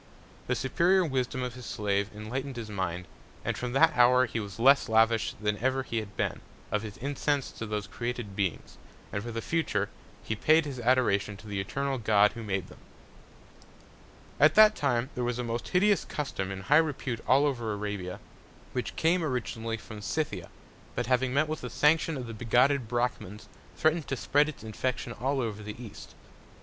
The superior Wisdom of his Slave enlightned his Mind; and from that Hour he was less lavish than ever he had been, of his Incense to those created Beings, and for the future, paid his Adoration to the eternal God who made them. At that Time there was a most hideous Custom in high Repute all over Arabia, which came originally from Scythia; but having met with the Sanction of the bigotted Brachmans, threatn'd to spread its Infection all over the East.